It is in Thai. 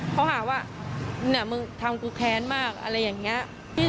เขาหาว่าเนี่ยมึงทำกูแค้นมากอะไรอย่างนี้